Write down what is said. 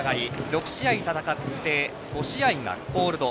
６試合戦って、５試合がコールド。